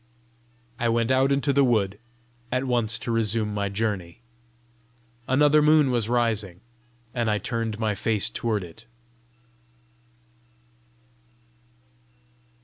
I went out into the wood, at once to resume my journey. Another moon was rising, and I turned my face toward it.